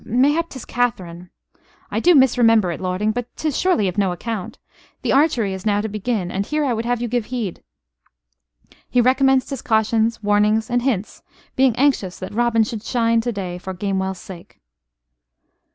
Mayhap, 'tis Catherine. I do misremember it, lording: but 'tis surely of no account. The archery is now to begin; and here I would have you give heed " He recommenced his cautions, warnings, and hints being anxious that Robin should shine to day for Gamewell's sake.